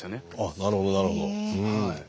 なるほどなるほど。